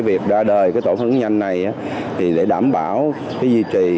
việc đa đời tổ phản ứng nhanh này để đảm bảo duy trì